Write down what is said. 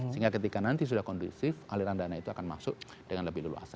sehingga ketika nanti sudah kondusif aliran dana itu akan masuk dengan lebih luas